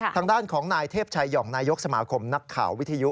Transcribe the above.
ทางด้านของนายเทพชายห่องนายกสมาคมนักข่าววิทยุ